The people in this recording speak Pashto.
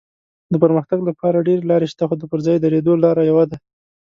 د پرمختګ لپاره ډېرې لارې شته خو د پر ځای درېدو لاره یوه ده.